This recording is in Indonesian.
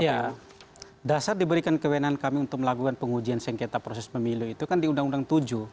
ya dasar diberikan kewenangan kami untuk melakukan pengujian sengketa proses pemilu itu kan di undang undang tujuh